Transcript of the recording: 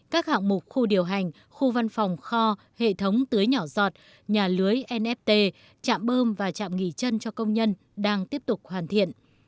các hạng mục khu điều hành khu văn phòng kho hệ thống tưới nhỏ giọt nhà lưới nft trạm bơm và chạm nghỉ chân cho công nhân đang tiếp tục hoàn thiện